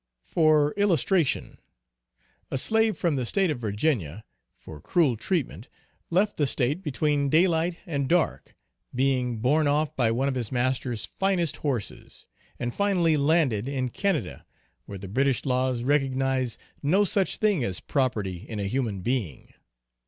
For illustration, a slave from the State of Virginia, for cruel treatment left the State between daylight and dark, being borne off by one of his master's finest horses, and finally landed in Canada, where the British laws recognise no such thing as property in a human being.